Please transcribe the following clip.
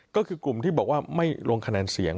ก็คือกลุ่มที่บอกว่าไม่ลงคะแนนเสียง